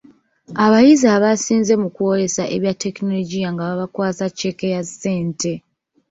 Abayizi abaasinze mu kwolesa ebya ttekinologiya nga babakwasa cceeke ya ssente.